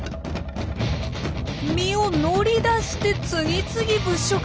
身を乗り出して次々物色。